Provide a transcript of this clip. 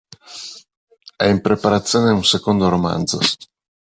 È in preparazione un secondo romanzo.